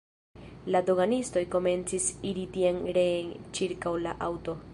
La doganistoj komencis iri tien-reen ĉirkaŭ la aŭto.